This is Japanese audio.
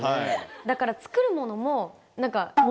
だから作るものも。